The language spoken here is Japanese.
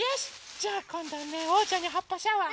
じゃあこんどはねおうちゃんにはっぱシャワーね。